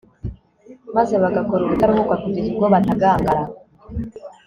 maze bagakora ubutaruhuka kugeza ubwo batagangara